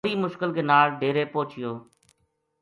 بڑی مشکل کے نال ڈیرے پوہچیو